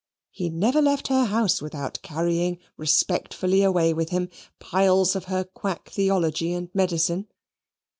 He never left her house without carrying respectfully away with him piles of her quack theology and medicine.